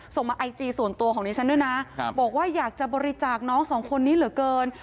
ส่งมาไอจีส่วนตัวของดิฉันด้วยนะบอกว่าอยากจะบริจาคน้องสองคนนี้เหลือเกิน